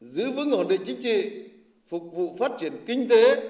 giữ vững ổn định chính trị phục vụ phát triển kinh tế